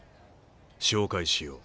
紹介しよう。